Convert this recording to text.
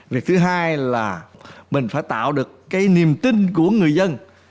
việc thứ hai là mình phải tạo được cái niềm tin của người dân